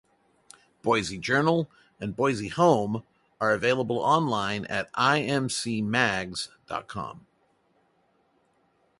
"Boise Journal" and "Boise Home" are available online at imcmags dot com.